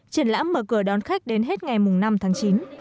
triển lãm mở cửa đón khách đến hết ngày năm tháng chín